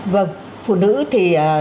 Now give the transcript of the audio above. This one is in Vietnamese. vâng phụ nữ thì